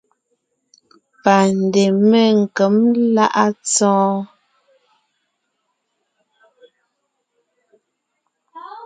Pandè Menkěm láʼa Tsɔɔ́n.